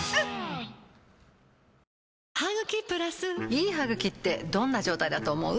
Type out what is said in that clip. いい歯ぐきってどんな状態だと思う？